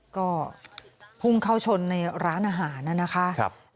ก็พุ่งเข้าชนในร้านอาหารนะคะ